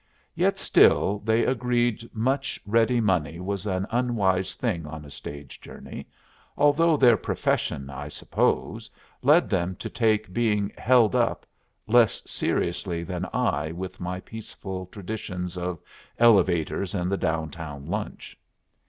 Yet still they agreed much ready money was an unwise thing on a stage journey, although their profession (I suppose) led them to take being "held up" less seriously than I with my peaceful traditions of elevators and the down town lunch.